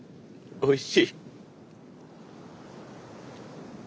おいしい。